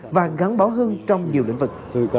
và gắn bó hơn trong nhiều lĩnh vực